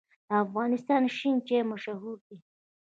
د افغانستان شین چای مشهور دی